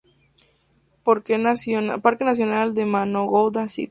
Parque nacional del Manovo-Gounda St.